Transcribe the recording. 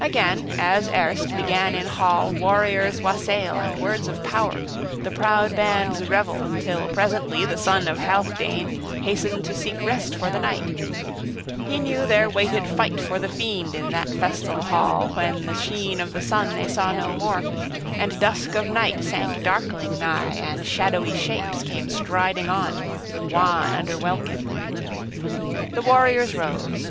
Again, as erst, began in hall warriors' wassail and words of power, the proud band's revel, till presently the son of Healfdene hastened to seek rest for the night; he knew there waited fight for the fiend in that festal hall, when the sheen of the sun they saw no more, and dusk of night sank darkling nigh, and shadowy shapes came striding on, wan under welkin. The warriors rose.